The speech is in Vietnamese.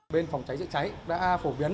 bên phòng cháy cháy cháy đã phổ biến